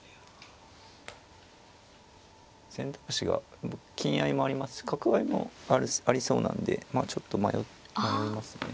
選択肢が金合いもありますし角合いもありそうなんでまあちょっと迷いますね。